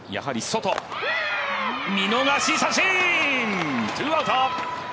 見逃し三振、ツーアウト！